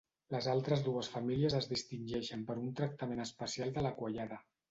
Les altres dues famílies es distingeixen per un tractament especial de la quallada.